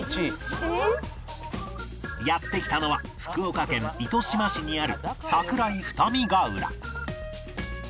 やって来たのは福岡県糸島市にある桜井二見ヶ浦